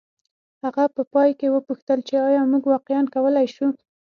هغه په پای کې وپوښتل چې ایا موږ واقعیا کولی شو